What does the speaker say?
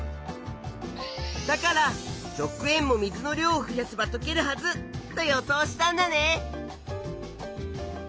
だから食塩も水の量を増やせばとけるはずと予想したんだね。